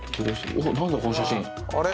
何だこの写真。